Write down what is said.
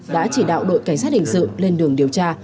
đã chỉ đạo đội cảnh sát hình sự lên đường điều tra